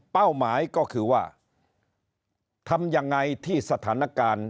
หมายก็คือว่าทำยังไงที่สถานการณ์